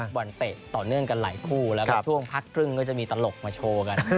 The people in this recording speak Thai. บอลเตะต่อเนื่องกันหลายคู่แล้วก็ช่วงพักครึ่งก็จะมีตลกมาโชว์กัน